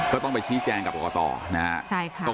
ก็ต้องไปชี้แจงกับกรกตนะครับ